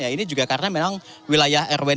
ini juga karena memang wilayah rw dua